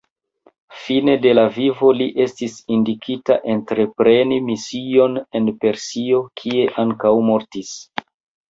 Fine de la vivo li estis indikita entrepreni mision en Persio, kie ankaŭ mortis.